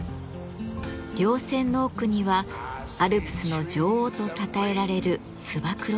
稜線の奥にはアルプスの女王とたたえられる燕岳。